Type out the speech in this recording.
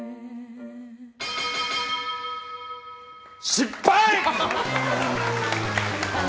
失敗！